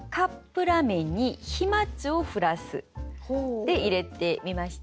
で入れてみました。